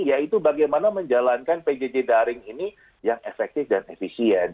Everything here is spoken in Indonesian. yaitu bagaimana menjalankan pjj daring ini yang efektif dan efisien